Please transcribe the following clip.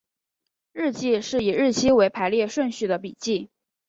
日记是以日期为排列顺序的笔记。